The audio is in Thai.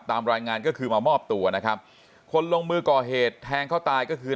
ตามรายงานก็คือมามอบตัวนะครับคนลงมือก่อเหตุแทงเขาตายก็คือ